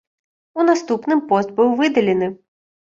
У наступным пост быў выдалены.